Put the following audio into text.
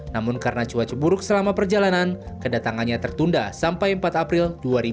namun karena cuaca buruk selama perjalanan kedatangannya tertunda sampai empat april dua ribu dua puluh